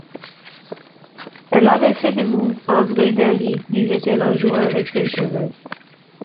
Elle avait fait de vous un vrai dandy, disait-elle en jouant avec ses cheveux.